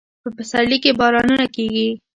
په پسرلي کې بارانونه کیږي